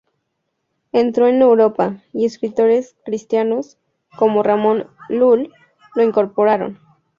Entró en Europa, y escritores cristianos, como Ramon Llull, lo incorporaron.